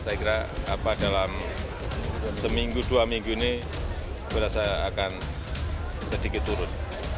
saya kira dalam seminggu dua minggu ini berasa akan sedikit turun